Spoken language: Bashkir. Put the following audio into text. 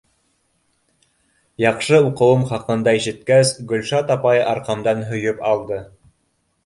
Яҡшы уҡыуым хаҡында ишеткәс, Гөлшат апай арҡамдан һөйөп алды.